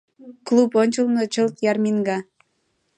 Клуб ончылно чылт ярмиҥга!